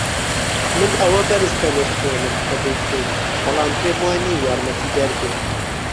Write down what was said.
من ئەوە بەرز دەنرخێنم کە دەیکەیت، بەڵام پێم وانییە یارمەتیدەر بێت.